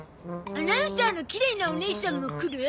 アナウンサーのきれいなおねいさんも来る？